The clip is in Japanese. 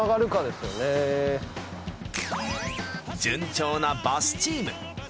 順調なバスチーム。